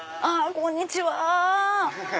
こんにちは。